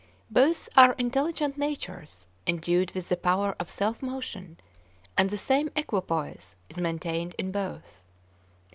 Both are intelligent natures endued with the power of self motion, and the same equipoise is maintained in both.